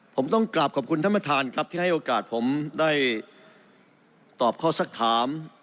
ผมต้องกลับขอบคุณท่านประธานครับที่ให้โอกาสผมได้ตอบข้อสักถาม